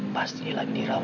pasti dia lagi dirampok